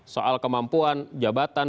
soal kemampuan jabatan